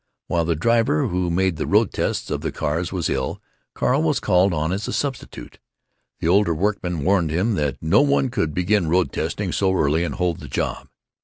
While the driver who made the road tests of the cars was ill Carl was called on as a substitute. The older workmen warned him that no one could begin road testing so early and hold the job.